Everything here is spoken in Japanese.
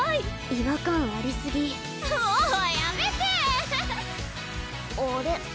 違和感ありすぎもうやめてあれ？